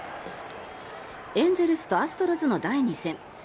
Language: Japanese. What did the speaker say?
エンゼルスとアストロズの第２戦。